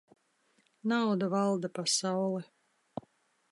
Nauda valda pasauli.